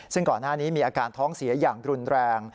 ซึ่งก่อนหน้านี้มีอาการท้องเสียอย่างรุนแรง